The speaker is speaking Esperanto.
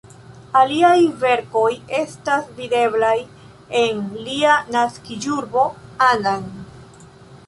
Aliaj verkoj estas videblaj en lia naskiĝurbo Annan.